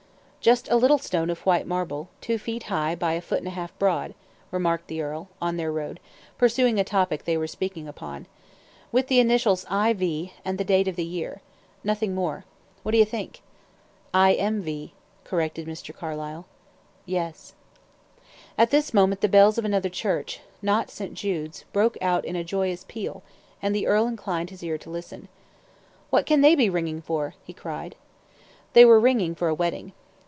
"Just a little stone of white marble, two feet high by a foot and a half broad," remarked the earl, on their road, pursuing a topic they were speaking upon. "With the initials 'I. V.' and the date of the year. Nothing more. What do you think?" "I. M. V.," corrected Mr. Carlyle. "Yes." At this moment the bells of another church, not St. Jude's, broke out in a joyous peal, and the earl inclined his ear to listen. "What can they be ringing for?" he cried. They were ringing for a wedding.